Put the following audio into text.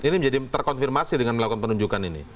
ini menjadi terkonfirmasi dengan melakukan penunjukan ini